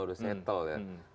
sudah settle ya